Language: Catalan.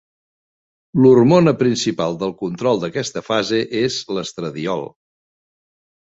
L'hormona principal del control d'aquesta fase és l'estradiol.